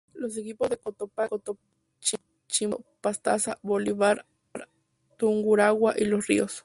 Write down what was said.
Los equipos de Cotopaxi, Chimborazo, Pastaza, Bolívar, Tungurahua y Los Ríos.